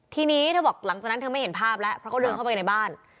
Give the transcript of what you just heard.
ทีนี้เธอบอกหลังจากนั้นเธอไม่เห็นภาพแล้วเพราะเขาเดินเข้าไปในบ้าน